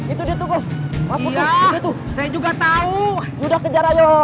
itu itu iya itu saya juga tahu sudah kejar ayo